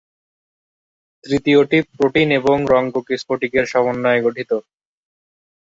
তৃতীয়টি প্রোটিন এবং রঙ্গক স্ফটিকের সমন্বয়ে গঠিত।